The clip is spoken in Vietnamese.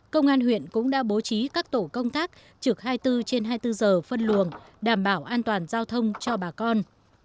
công an huyện cũng đã bố trí các tổ công tác trực hai mươi bốn trên hai mươi bốn giờ phân luồng đảm bảo an toàn giao thông cho bà con